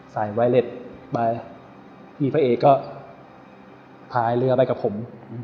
ไวเล็ตไปพี่พระเอกก็พายเรือไปกับผม